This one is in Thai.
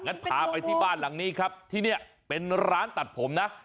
พาไปที่บ้านหลังนี้ครับที่นี่เป็นร้านตัดผมนะ